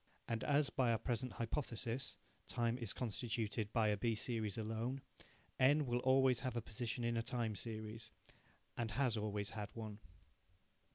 And as, by our present hypothesis, time is constituted by a B series alone, N will always have a position in a time series, and has always had one.